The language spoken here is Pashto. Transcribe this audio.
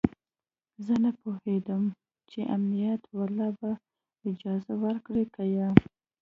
زه نه پوهېدم چې امنيت والا به اجازه ورکړي که يه.